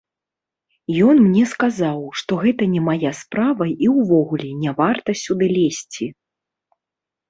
Ён мне сказаў, што гэта не мая справа і ўвогуле не варта сюды лезці.